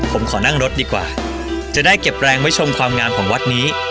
ผมขอนั่งรถดีกว่าจะได้เก็บแรงไว้ชมความงามของวัดนี้